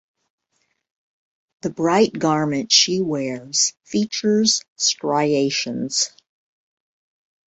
The bright garment she wears features striations.